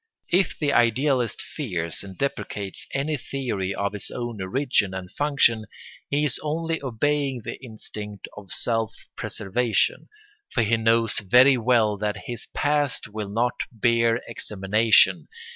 If the idealist fears and deprecates any theory of his own origin and function, he is only obeying the instinct of self preservation; for he knows very well that his past will not bear examination.